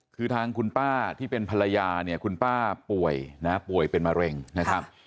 คือทางคุณป้าที่เป็นภรรยาคุณป้าป่วยเป็นมะเร็งนะครับ